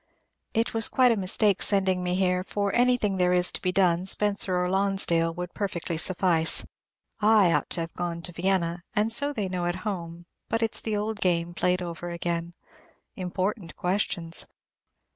It was quite a mistake sending me here; for anything there is to be done, Spencer or Lonsdale would perfectly suffice. I ought to have gone to Vienna, and so they know at home; but it's the old game played over again. Important questions!